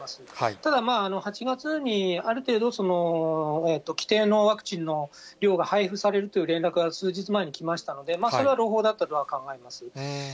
ただまあ、８月に、ある程度、規定のワクチンの量が配布されるという連絡は数日前に来ましたので、それは朗報だったとは考えています。